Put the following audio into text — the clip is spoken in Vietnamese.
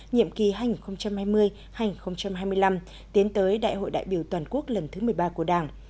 nhiệm kỳ hai nghìn hai mươi hai nghìn hai mươi năm tiến tới đại hội đại biểu toàn quốc lần thứ một mươi ba của đảng